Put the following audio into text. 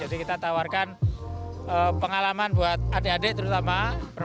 jadi kita tawarkan pengalaman buat adik adik terutama bermaja menikmati lampu dan laser